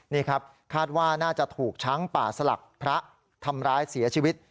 นี่ครับคาดว่าน่าจะถูกช้างป่าสลักพระทำร้ายเสียชีวิต